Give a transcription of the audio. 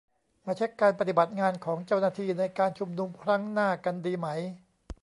มาเช็คการปฏิบัติงานของเจ้าหน้าที่ ในการชุมนุมครั้งหน้ากันดีไหม ?